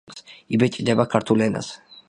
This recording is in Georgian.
იბეჭდება ქართულ ენაზე.